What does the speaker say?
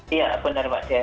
iya benar pak dya